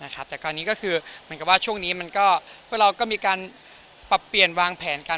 แต่ช่วงนี้เราก็มีการปรับเปลี่ยนวางแผนกัน